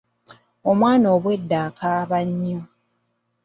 Omwana obwedda akaaba nnyo.